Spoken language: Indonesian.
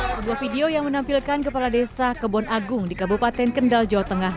sebuah video yang menampilkan kepala desa kebon agung di kabupaten kendal jawa tengah